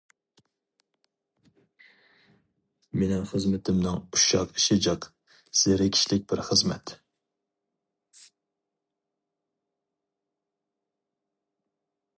مېنىڭ خىزمىتىمنىڭ ئۇششاق ئىشى جىق، زېرىكىشلىك بىر خىزمەت.